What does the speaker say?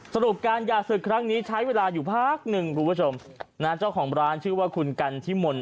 สรุปการหย่าศึกครั้งนี้ใช้เวลาอยู่พักหนึ่งคุณผู้ชมนะเจ้าของร้านชื่อว่าคุณกันทิมล